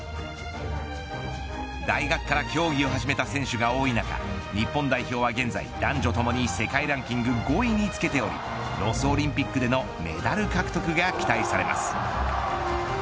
大学から競技を始めた選手が多い中日本代表は現在男女ともに世界ランキング５位につけておりロスオリンピックでのメダル獲得が期待されます。